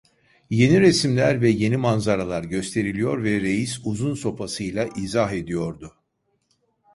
Yeni resimler ve yeni manzaralar gösteriliyor ve reis, uzun sopasıyla izah ediyordu: